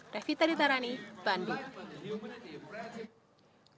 revita ditarani bandung